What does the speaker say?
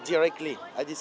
hà nội bắt đầu